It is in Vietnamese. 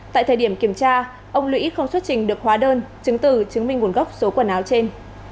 tại thời điểm kiểm tra ông lũy không xuất trình được hóa đơn chứng từ chứng minh nguồn gốc số quần áo trên